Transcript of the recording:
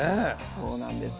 そうなんです。